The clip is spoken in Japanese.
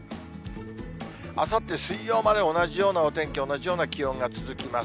あさって水曜まで同じようなお天気、同じような気温が続きます。